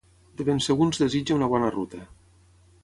de ben segur ens desitja una bona ruta